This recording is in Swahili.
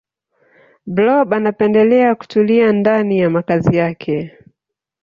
blob anapendelea kutulia ndani ya makazi yake